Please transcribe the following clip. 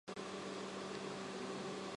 褶胸鱼的图片